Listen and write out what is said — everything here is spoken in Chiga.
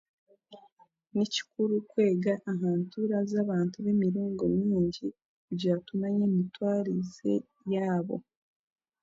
Ni kikuru kwega aha ntuura za bantu n'emiringo mingi kugira tumanye n'emitwarize yaabo